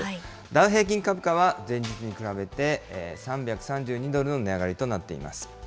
ダウ平均株価は前日に比べて３３２ドルの値上がりとなっています。